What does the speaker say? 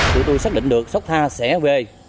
tụi tôi xác định được sóc tha sẽ về